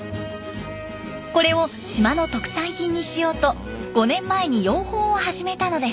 これを島の特産品にしようと５年前に養蜂を始めたのです。